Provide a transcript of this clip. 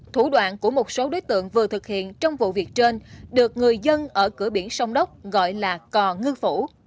thủ đoạn của một số đối tượng vừa thực hiện trong vụ việc trên được người dân ở cửa biển sông đốc gọi là cò ngư phủ